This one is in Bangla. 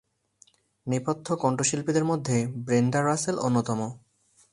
নেপথ্য কণ্ঠশিল্পীদের মধ্যে ব্রেন্ডা রাসেল অন্যতম।